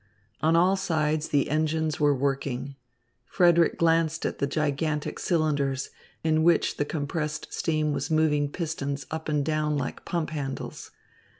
On all sides the engines were working. Frederick glanced at the gigantic cylinders, in which the compressed steam was moving pistons up and down like pump handles.